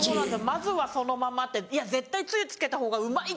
「まずはそのまま」っていや絶対つゆつけた方がうまいじゃんって。